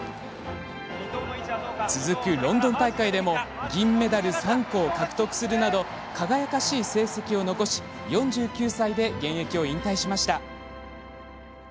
続くロンドン大会でも銀メダル３個を獲得するなど輝かしい成績を残し４９歳で現役を引退しました。